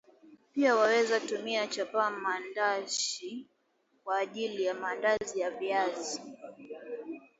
Pia waweza tumia Chapa mandashi kwaajili ya maandazi ya viazi